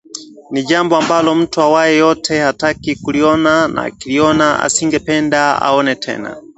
ni jambo ambalo mtu awaye yote hataki kuliona na akiliona asingependa aone tena